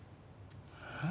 えっ？